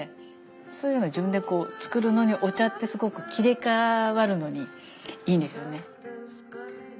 そういうの自分で作るのにお茶ってすごく切り替わるのにいいんですよね。